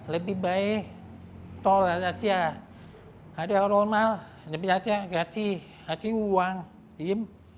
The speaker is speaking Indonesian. lebih baik tol aja ada orang mal lebih aja gaji gaji uang gim